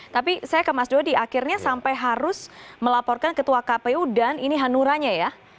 tapi saya ke mas dodi akhirnya sampai harus melaporkan ketua kpu dan ini hanuranya ya